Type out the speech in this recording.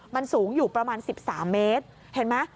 มันสูงอยู่ประมาณ๑๓เมตรเห็นไหม